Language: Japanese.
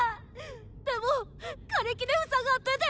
でもガレキで塞がってて。